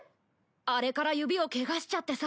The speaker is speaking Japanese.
あれから指をケガしちゃってさ。